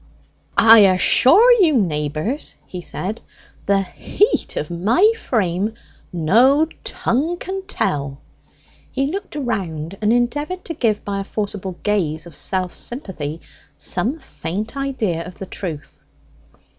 "I assure you, neighbours," he said, "the heat of my frame no tongue can tell!" He looked around and endeavoured to give, by a forcible gaze of self sympathy, some faint idea of the truth.